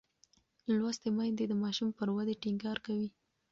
لوستې میندې د ماشوم پر ودې ټینګار کوي.